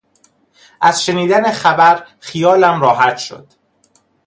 از شنیدن خبر خیالم راحت شد.